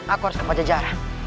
aku harus ke pajajara